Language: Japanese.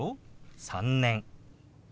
「３年」。